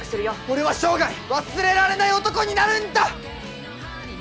俺は生涯忘れられない男になるんだ！